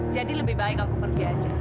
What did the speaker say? jadi lebih baik aku pergi aja